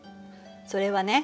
それはね